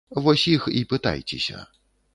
Вось іх і пытайцеся.